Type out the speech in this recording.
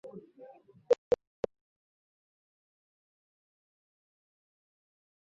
Simultáneamente se iniciaron las obras de remodelación de la estación.